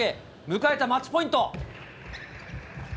迎えたマッチポイント。